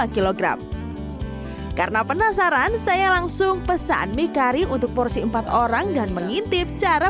lima kg karena penasaran saya langsung pesan mie kari untuk porsi empat orang dan mengintip cara